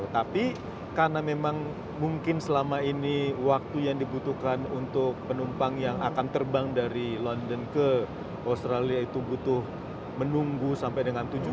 tapi karena memang mungkin selama ini waktu yang dibutuhkan untuk penumpang yang akan terbang dari london ke australia itu butuh menunggu sampai dengan tujuh jam